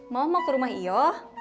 mama mau ke rumah yo